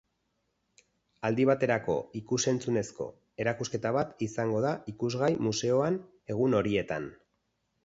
Aldi baterako ikus-entzunezko erakusketa bat izango da ikusgai museoan egun horietan.